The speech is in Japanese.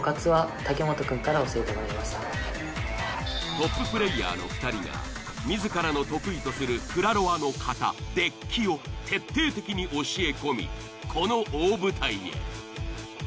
トッププレイヤーの２人がみずからの得意とする「クラロワ」の型デッキを徹底的に教え込みこの大舞台へ。